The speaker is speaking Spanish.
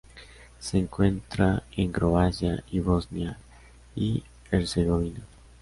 Se encuentra en Croacia y Bosnia y Herzegovina.